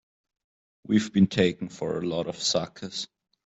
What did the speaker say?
We've been taken for a lot of suckers!